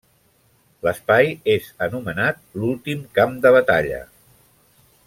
L'espai és anomenat l'últim camp de batalla.